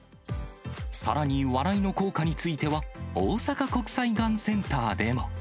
さらに笑いの効果については、大阪国際がんセンターでも。